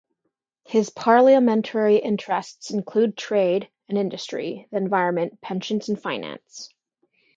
His Parliamentary interests included trade and industry, the environment, pensions and finance.